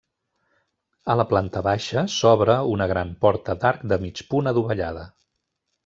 A la planta baixa s'obre una gran porta d'arc de mig punt adovellada.